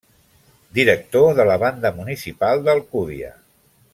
Director de la banda municipal d'Alcúdia.